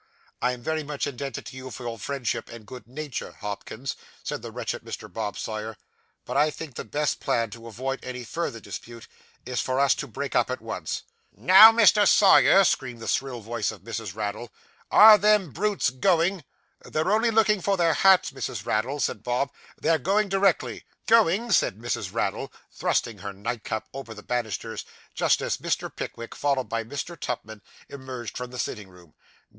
'I am very much indebted to you for your friendship and good nature, Hopkins,' said the wretched Mr. Bob Sawyer, 'but I think the best plan to avoid any further dispute is for us to break up at once.' 'Now, Mr. Sawyer,' screamed the shrill voice of Mrs. Raddle, 'are them brutes going?' 'They're only looking for their hats, Mrs. Raddle,' said Bob; 'they are going directly.' 'Going!' said Mrs. Raddle, thrusting her nightcap over the banisters just as Mr. Pickwick, followed by Mr. Tupman, emerged from the sitting room.